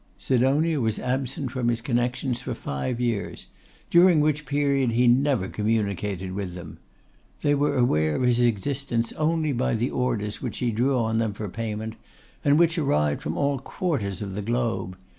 Sidonia was absent from his connections for five years, during which period he never communicated with them. They were aware of his existence only by the orders which he drew on them for payment, and which arrived from all quarters of the globe.